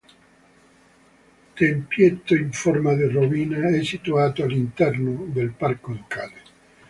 Tempietto in forma di rovina, è situato all'interno del Parco Ducale.